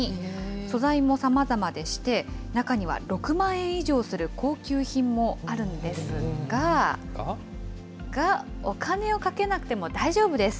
素材もさまざまでして、中には６万円以上する高級品もあるんですが、お金をかけなくても大丈夫です。